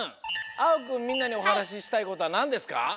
あおくんみんなにおはなししたいことはなんですか？